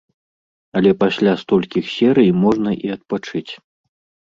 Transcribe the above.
Але пасля столькіх серый можна і адпачыць.